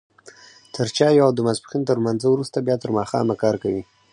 تر چايو او د ماسپښين تر لمانځه وروسته بيا تر ماښامه کار کوي.